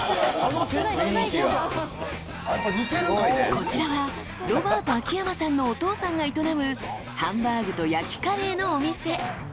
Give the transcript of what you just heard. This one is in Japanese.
［こちらはロバート秋山さんのお父さんが営むハンバーグと焼きカレーのお店］